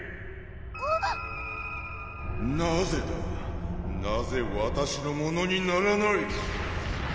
あっなぜだなぜわたしのものにならない！